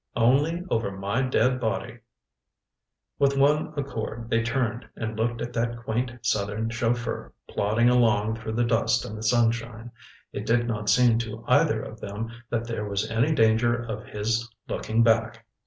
"Only over my dead body!" With one accord they turned and looked at that quaint southern chauffeur plodding along through the dust and the sunshine. It did not seem to either of them that there was any danger of his looking back.